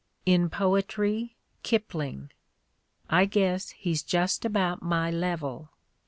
'' In poetry, Kipling — "I guess he's just about my level."